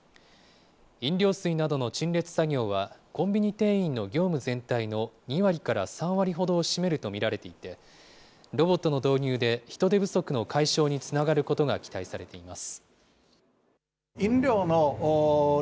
飲料水などの陳列作業は、コンビニ店員の業務全体の２割から３割ほどを占めると見られていて、ロボットの導入で人手不足の解消につながることが期待されています。